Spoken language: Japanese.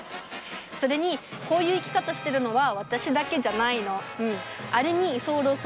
それにこういう生き方してるのは私だけじゃないの。